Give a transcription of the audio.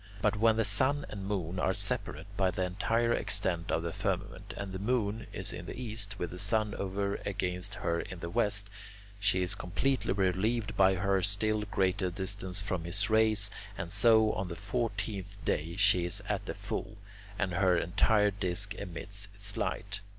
But when the sun and moon are separated by the entire extent of the firmament, and the moon is in the east with the sun over against her in the west, she is completely relieved by her still greater distance from his rays, and so, on the fourteenth day, she is at the full, and her entire disc emits its light.